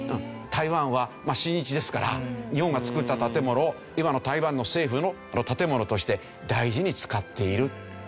台湾は親日ですから日本が作った建物を今の台湾の政府の建物として大事に使っている。